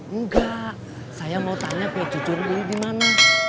enggak saya mau tanya kue cucur lu dimana